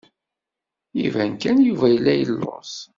Iban kan Yuba yella yelluẓ.